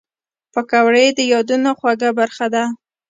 پکورې د یادونو خواږه برخه ده